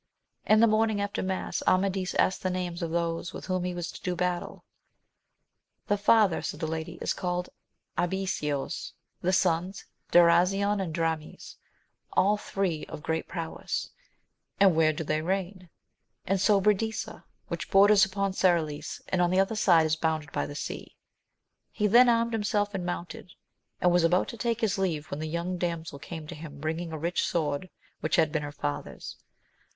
In the morning after mass, Amadis asked the names of those with whom he was to do battle. The father, said the lady, is called Abiseos, the sons Darasion and Dramis, all three of great prowess. And where do they reign? In Sobradisa, which borders upon Serolis, and on the other side is bounded by the sea. He then armed himself and mounted, and was about to take his leave, when the young damsel came to him, bringing a rich sword which had been her father's.